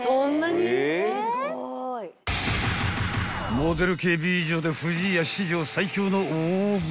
［モデル系美女で不二家史上最強の大食い］